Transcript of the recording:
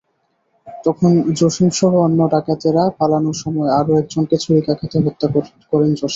তখন জসিমসহ অন্য ডাকাতেরা পালানোর সময় আরও একজনকে ছুরিকাঘাতে হত্যা করেন জসিম।